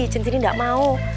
centini gak mau